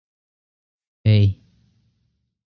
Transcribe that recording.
"Idlewild" received generally positive reviews from critics.